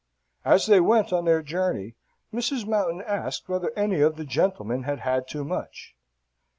As they went on their journey, Mrs. Mountain asked whether any of the gentlemen had had too much?